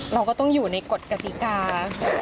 เราก็ต้องอยู่ในกฎกติกา